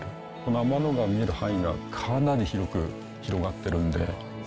天の川が見える範囲がかなり広く、広がってるんで。